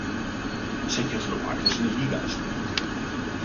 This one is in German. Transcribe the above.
Tschechoslowakischen Liga spielte.